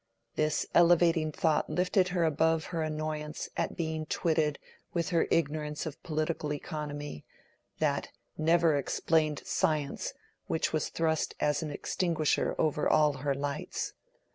This elevating thought lifted her above her annoyance at being twitted with her ignorance of political economy, that never explained science which was thrust as an extinguisher over all her lights.